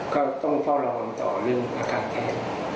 ก็ต้องเฝ้าระวังต่อเรื่องอาการแพทย์